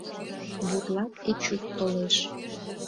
Бурлак Эчук толеш.